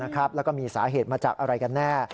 แล้วก็มีสาเหตุมาจากอะไรกันแน่